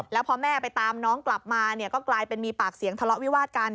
แล้วพอแม่ไปตามน้องกลับมาเนี่ยก็กลายเป็นมีปากเสียงทะเลาะวิวาดกัน